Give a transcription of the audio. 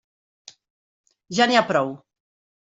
Ja n'hi ha prou!